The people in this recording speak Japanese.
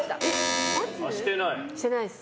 してないです。